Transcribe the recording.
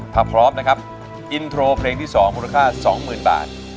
ถ้าพร้อมนะครับอินโทรเพลงที่๒มูลค่า๒๐๐๐บาท